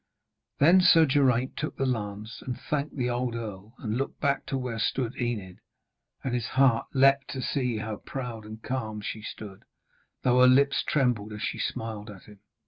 Then Sir Geraint took the lance and thanked the old earl, and looked back to where stood Enid. And his heart leaped to see how proud and calm she stood, though her lips trembled as she smiled at him.